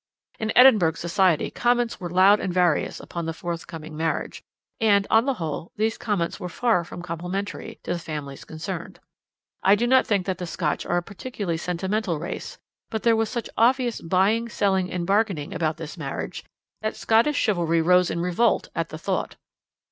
"In Edinburgh society comments were loud and various upon the forthcoming marriage, and, on the whole, these comments were far from complimentary to the families concerned. I do not think that the Scotch are a particularly sentimental race, but there was such obvious buying, selling, and bargaining about this marriage that Scottish chivalry rose in revolt at the thought.